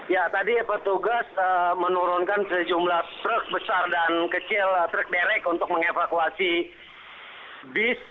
ya tadi petugas menurunkan sejumlah truk besar dan kecil truk derek untuk mengevakuasi bis